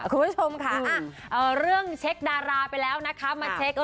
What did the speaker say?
คุณผู้ชมค่ะเรื่องเช็คดาราไปแล้วนะคะมาเช็ค